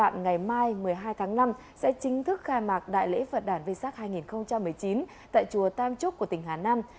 ngày mai một mươi hai tháng năm sẽ chính thức khai mạc đại lễ phật đàn v sắc hai nghìn một mươi chín tại chùa tam trúc của tỉnh hà nam